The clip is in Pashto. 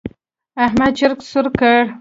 احمد چرګ سور کړ.